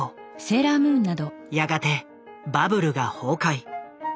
やがてバブルが崩壊。